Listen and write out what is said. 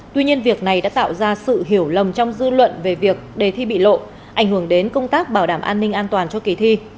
tuy nhiên việc này đã tạo ra sự hiểu lầm trong dư luận về việc đề thi bị lộ ảnh hưởng đến công tác bảo đảm an ninh an toàn cho kỳ thi